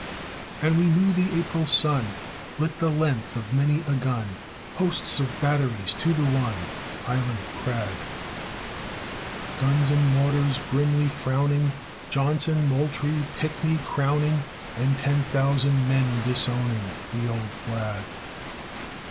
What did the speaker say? And we knew the April sun Lit the length of many a gun Hosts of batteries to the one Island crag; Guns and mortars grimly frowning, Johnson, Moultrie, Pinckney, crowning, And ten thousand men disowning The old flag.